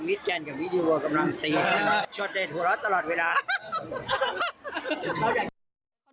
มิสแกนกับวิดีโอร์กำลังตีชอตเดชหัวเราะตลอดเวลา